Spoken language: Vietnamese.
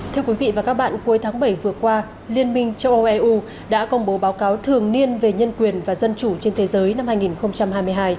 thưa quý vị và các bạn cuối tháng bảy vừa qua liên minh châu âu eu đã công bố báo cáo thường niên về nhân quyền và dân chủ trên thế giới năm hai nghìn hai mươi hai